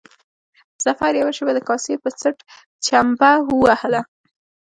ظفر يوه شېبه د کاسې په څټ چمبه ووهله.